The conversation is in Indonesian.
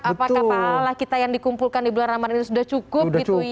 apakah pahala kita yang dikumpulkan di bulan ramadan ini sudah cukup